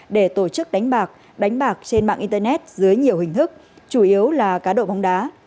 để tổ chức đánh bạc đánh bạc trên mạng internet dưới nhiều hình thức chủ yếu là cá độ bóng đá